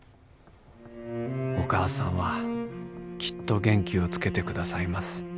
お母さんはきっと元気をつけて下さいます」。